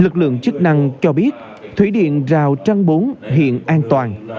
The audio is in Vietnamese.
lực lượng chức năng cho biết thủy điện rào trăng bốn hiện an toàn